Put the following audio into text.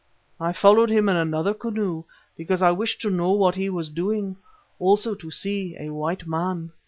I followed him in another canoe, because I wished to know what he was doing, also to see a white man.